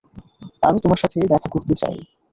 আমি তোমার সাথে দেখা করতে চাই।